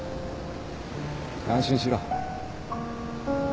安心しろ。